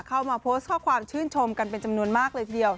เข้ามาโพสต์ข้อความชื่นชมกันเป็นจำนวนมากเลยทีเดียว